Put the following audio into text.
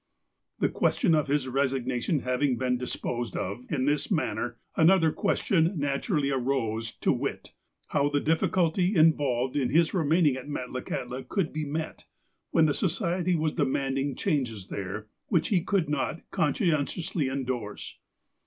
The question of his resignation having been disposed of in this manner, another question naturally arose, to wit : how the difficulty involved in his remaining at Met lakahtla could be met, when the Society was demanding changes there, which he could not conscientiously en dorse.